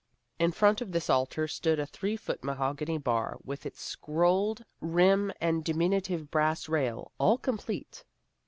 In front of this altar stood a three foot mahogany bar, with its scrolled rim and diminutive brass rail, all complete.